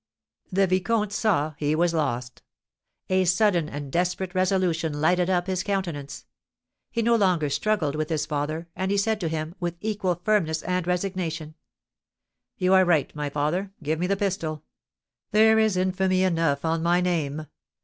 The vicomte saw he was lost. A sudden and desperate resolution lighted up his countenance. He no longer struggled with his father, and he said to him, with equal firmness and resignation: "You are right, my father! Give me the pistol! There is infamy enough on my name!